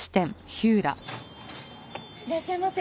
いらっしゃいませ。